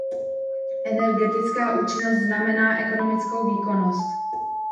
Energetická účinnost znamená ekonomickou výkonnost.